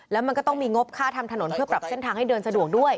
แล้วมันก็ต้องมีงบค่าทำถนนเพื่อปรับเส้นทางให้เดินสะดวกด้วย